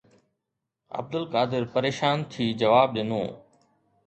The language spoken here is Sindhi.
عبدالقادر پريشان ٿي جواب ڏنو